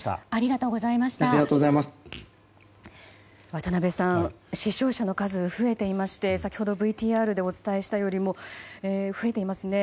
渡辺さん、死傷者の数増えていまして先ほどＶＴＲでお伝えしたよりも増えていますね。